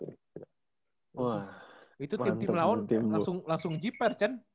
itu tim tim lawan langsung jiper cen